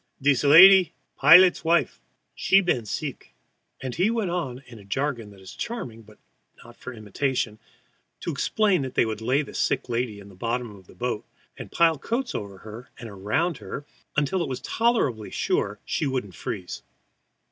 "Dees lady, pilot's wife. She been seek." And he went on in a jargon that is charming, but not for imitation, to explain that they would lay the sick lady in the bottom of the boat and pile coats over her and around her until it was tolerably sure she couldn't freeze.